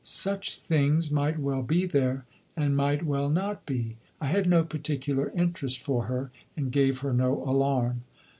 Such things might well be there, and might well not be; I had no particular interest for her, and gave her no alarm.